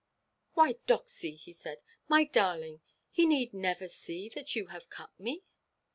"Why, Doxy," he said, "my darling, he need never see that you have cut me."